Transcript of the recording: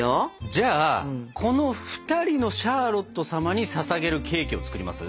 じゃあこの２人のシャーロット様にささげるケーキを作ります？